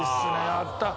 やった。